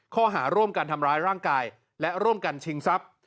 ข้อหาร่วมกันทำร้ายร่างกายและร่วมกันชิงทรัพย์